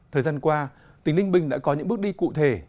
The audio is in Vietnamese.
thời gian qua tỉnh ninh bình đã có những bước đi cụ thể